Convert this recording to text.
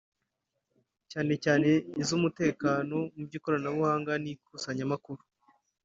cyane cyane iz’umutekano mu by’ikoranabuhanga n’ikusanyamakuru